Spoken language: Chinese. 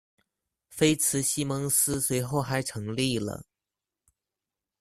菲茨西蒙斯随后还成立了。